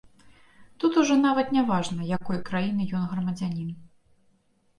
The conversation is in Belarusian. Тут ужо нават няважна, якой краіны ён грамадзянін.